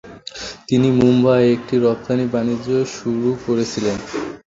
তিনি মুম্বাইয়ে একটি রফতানি বাণিজ্য সংস্থা শুরু করেছিলেন।